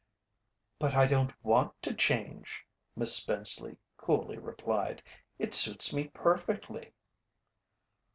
"But I don't want to change," Miss Spenceley coolly replied. "It suits me perfectly."